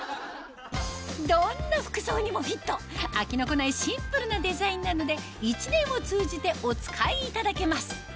どんな服装にもフィット飽きのこないシンプルなデザインなので一年を通じてお使いいただけます